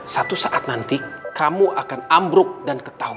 satu saat nanti kamu akan ambruk dan ketahu